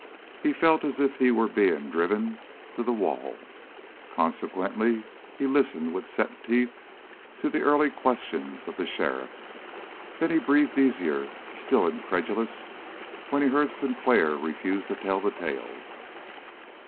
He felt as if he were being driven to the wall. Consequently he listened with set teeth to the early questions of the sheriff; then he breathed easier, still incredulous, when he heard Sinclair refuse to tell the tale.